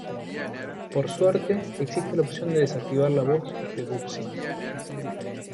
Por suerte, existe la opción de desactivar la voz de Bubsy.